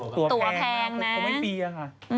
ตัวแพงนะก็ไม่เปียง